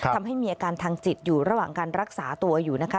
ทำให้มีอาการทางจิตอยู่ระหว่างการรักษาตัวอยู่นะคะ